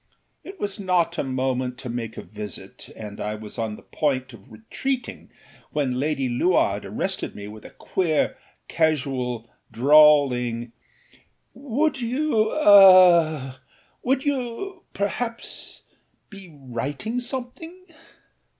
It was not a moment to make a visit, and I was on the point of retreating when Lady Luard arrested me with a queer, casual, drawling âWould youâaâwould you, perhaps, be writing something?